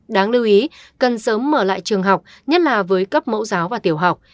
đáng lưu ý cần sớm mở lại trường học nhất là với cấp mẫu giáo và tiểu học